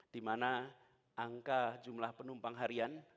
dimana angka jumlah penumpang harian